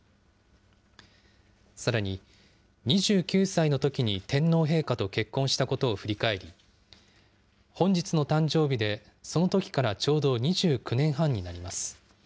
さらに、２９歳のときに天皇陛下と結婚したことを振り返り、本日の誕生日でそのときからちょうど２９年半になります。